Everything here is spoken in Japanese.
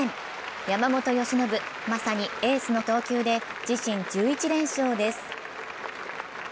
山本由伸、まさにエースの投球で自身１１連勝です。